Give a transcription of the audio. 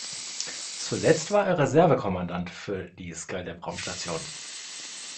Zuletzt war er Reserve-Kommandant für die Skylab-Raumstation.